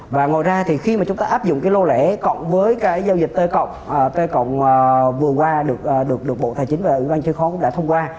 và ngồi ra thì khi mà chúng ta áp dụng cái lô lễ cộng với cái giao dịch t cộng t cộng vừa qua được bộ thái chính và ủy ban chế khóa cũng đã thông qua